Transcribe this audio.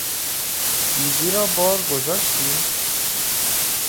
دیزی را بار گذاشتی؟